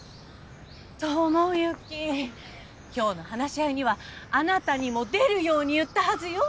智之今日の話し合いにはあなたにも出るように言ったはずよ。